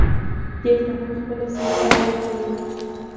دې ته هم خپله سزا ورکړئ.